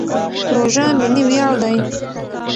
پروژه ملي ویاړ دی.